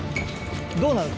どうなの？